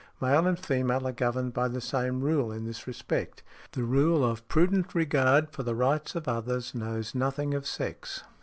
Male and female are governed by the same rule in this respect: the rule of prudent regard for the rights of others knows nothing of sex .